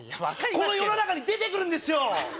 この世の中に出て来るんですよ！